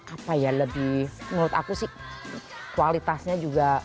apa ya lebih menurut aku sih kualitasnya juga